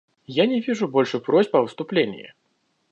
Я не вижу больше просьб о выступлении.